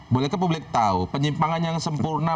bolehkah publik tahu penyimpangan yang sempurna